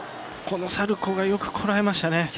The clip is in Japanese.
このサルコーがよくこらえましたね。